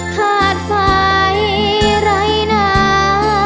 หาดไฟไร้น้ำ